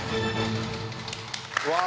うわ！